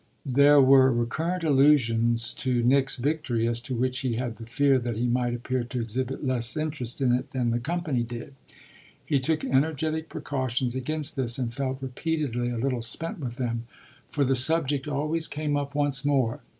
There were recurrent allusions to Nick's victory, as to which he had the fear that he might appear to exhibit less interest in it than the company did. He took energetic precautions against this and felt repeatedly a little spent with them, for the subject always came up once more.